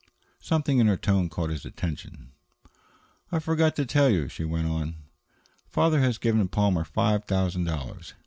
Something in her tone caught his attention. "I forgot to tell you," she went on. "Father has given Palmer five thousand dollars.